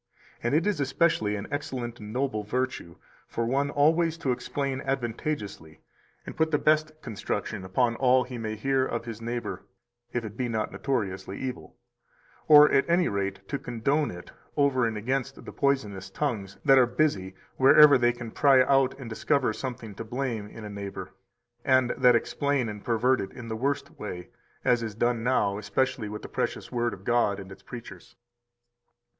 289 And it is especially an excellent and noble virtue for one always to explain advantageously and put the best construction upon all he may hear of his neighbor (if it be not notoriously evil), or at any rate to condone it over and against the poisonous tongues that are busy wherever they can pry out and discover something to blame in a neighbor, and that explain and pervert it in the worst way; as is done now especially with the precious Word of God and its preachers.